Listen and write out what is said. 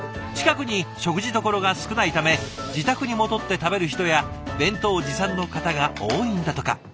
近くに食事どころが少ないため自宅に戻って食べる人や弁当持参の方が多いんだとか。